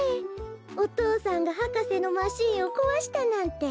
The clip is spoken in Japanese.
お父さんが博士のマシーンをこわしたなんて。